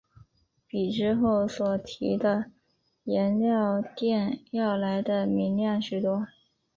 比之后所提的颜料靛要来得明亮许多。